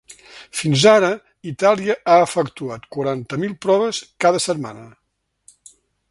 Fins ara, Itàlia ha efectuat quaranta mil proves cada setmana.